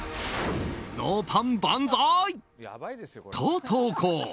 ノーパン万歳。と、投稿。